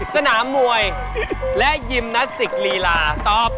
สนามมวยและยิมนาสติกลีลาตอบ